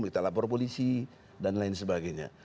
kita lapor polisi dan lain sebagainya